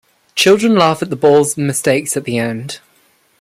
Children laugh at the balls' mistakes at the end.